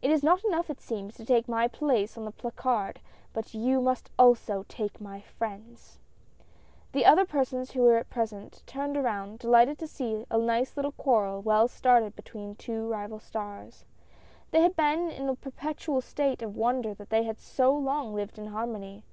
It is not enough it seems, to take my place on the placard, but you must also take my friends !" The other persons who were present, turned around, delighted to see a nice little quarrel well started between the two rival stars. They had been in a per petual state of wonder that they had so long lived in harmony.